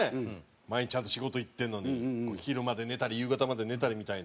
毎日ちゃんと仕事行ってるのに昼まで寝たり夕方まで寝たりみたいな。